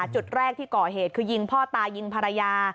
จุดแรกที่ก่อเหตุคือยิงพ่อตายิงภรรยา